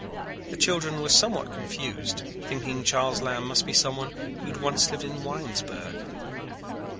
The children were somewhat confused, thinking Charles Lamb must be someone who had once lived in Winesburg.